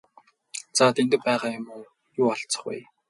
За Дэндэв байгаа юм юу алзах вэ?